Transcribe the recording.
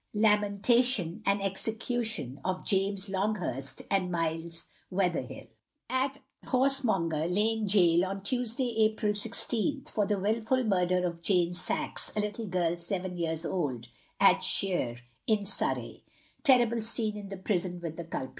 LAMENTATION & EXECUTION OF JAMES LONGHURST, At Horsemonger Lane Gaol, on Tuesday, April 16th, for the wilful murder of Jane Sax, a little Girl seven years old, at Shere, in Surrey, Terrible Scene in the Prison with the Culprit.